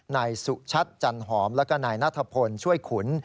นายสุชัตร์จันหอมและก็นายณฑพลช่วยขุน